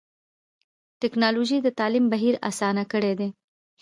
ټکنالوجي د تعلیم بهیر اسان کړی دی.